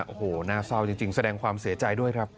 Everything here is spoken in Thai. โอ้โหน่าเศร้าจริงแสดงความเสียใจด้วยครับ